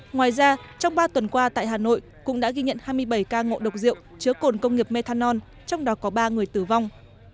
ngoài ra trong ba tuần qua tại hà nội cũng đã ghi nhận hai mươi bảy ca ngộ độc rượu chứa cồn công nghiệp methanol trong đó có ba người tử vong